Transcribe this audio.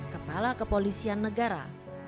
kepala kepolisian negara